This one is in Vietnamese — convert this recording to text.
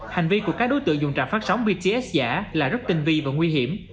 hành vi của các đối tượng dùng trạm phát sóng bts giả là rất tinh vi và nguy hiểm